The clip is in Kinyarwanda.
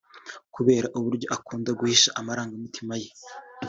Kubera uburyo akunda guhisha amarangamutima ye